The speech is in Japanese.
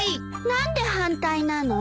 何で反対なの？